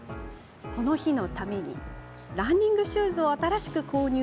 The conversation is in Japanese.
この日のためにランニングシューズを新しく購入。